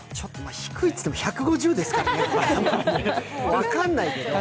低いっつっても１５０ですからね、分からないけど。